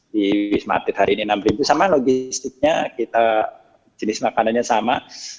di wisma atlet hari ini enam ribu sama logistiknya kita jenis makanannya sama